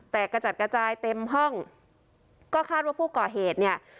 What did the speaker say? แต่กระจัดกระจายเต็มห้องก็คาดว่าผู้ก่อเหตุเนี่ย